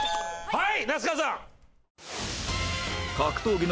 はい。